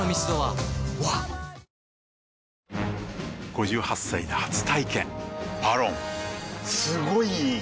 ５８歳で初体験「ＶＡＲＯＮ」すごい良い！